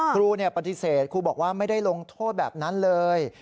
ครูปฏิเสธครูบอกว่าไม่ได้ลงโทษแบบนั้นเลย